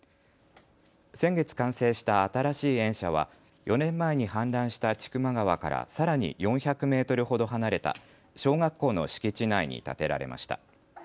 先月完成した新しい園舎は４年前に氾濫した千曲川からさらに４００メートルほど離れた小学校の敷地内に建てられました。